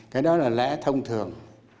cái đó là lẽ thông thường